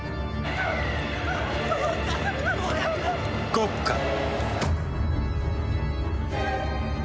ゴッカン。